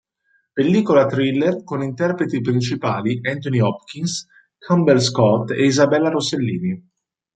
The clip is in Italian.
Pellicola thriller con interpreti principali Anthony Hopkins, Campbell Scott e Isabella Rossellini.